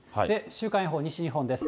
週間予報、西日本です。